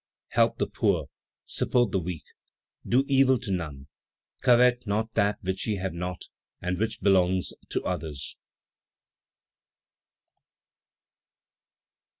"Help the poor, support the weak, do evil to none; covet not that which ye have not and which belongs to others."